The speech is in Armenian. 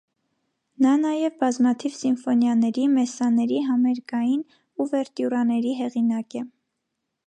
Նա նաև բազմաթիվ սիմֆոնիաների, մեսաների, համերգային ուվերտյուրաների հեղինակ է։